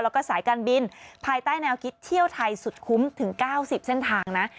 แล้วก็สายการบินภายใต้แนวคิดเที่ยวไทยสุดคุ้มถึง๙๐เส้นทางนะ